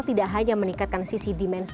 tidak hanya meningkatkan sisi dimensi